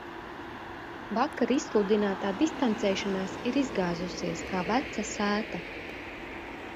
Vakar izsludinātā distancēšanās ir izgāzusies, kā veca sēta.